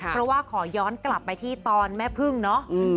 เพราะว่าขอย้อนกลับไปที่ตอนแม่พึ่งเนาะ